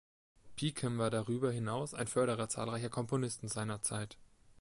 Beecham war darüber hinaus ein Förderer zahlreicher Komponisten seiner Zeit.